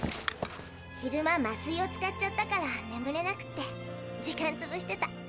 昼間麻酔を使っちゃったからねむれなくて時間つぶしてた。